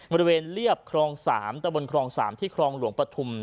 บริเวณเรียบครอง๓ตะบนครอง๓ที่ครองหลวงปฐุม